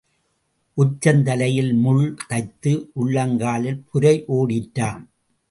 உச்சந் தலையில் முள் தைத்து உள்ளங்காலில் புரை ஓடிற்றாம்.